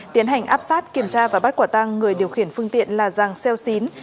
tiến hành áp sát kiểm tra và bắt quả tăng người điều khiển phương tiện là giàng xeo xín